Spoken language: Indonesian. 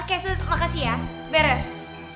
oke sus makasih ya beres